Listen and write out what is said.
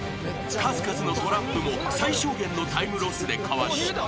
［数々のトラップも最小限のタイムロスでかわし